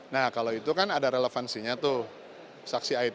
nah kalau itu kan ada relevansinya tuh saksi it